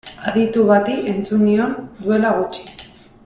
Aditu bati entzun nion duela gutxi.